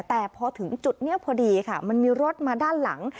แต่พอถึงจุดนี้พอดีค่ะมันมีรถมาด้านหลัง